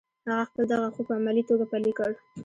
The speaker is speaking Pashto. هغه خپل دغه خوب په عملي توګه پلی کړ